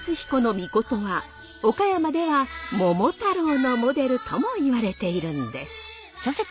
命は岡山では桃太郎のモデルともいわれているんです。